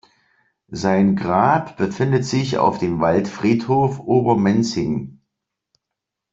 Sein Grab befindet sich auf dem Waldfriedhof Obermenzing.